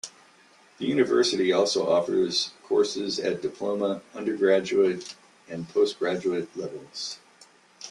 The university also offers courses at Diploma, Undergraduate and Postgraduate levels.